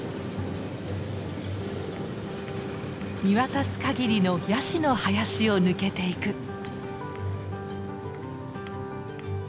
見渡すかぎりのヤシの林を抜けていく。